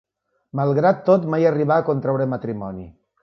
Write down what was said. Malgrat tot, mai arribà a contraure matrimoni.